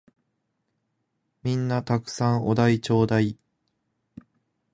皆んな沢山お題ちょーだい！